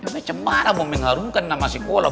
kenapa lo mengharungkan nama sekolah